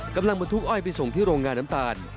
กำลังมาทุกอ้อยไปส่งที่โรงงานน้ำตาล